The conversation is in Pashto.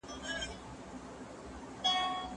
هغه وويل چي مڼې صحي دي؟!